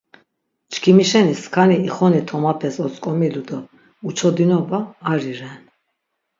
Çkimi şeni skani ixoni tomapes otzk̆omilu do uçodinoba ari ren.